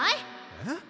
えっ？